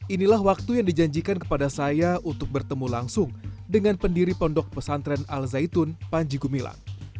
inilah waktu yang dijanjikan kepada saya untuk bertemu langsung dengan pendiri pondok pesantren al zaitun panji gumilang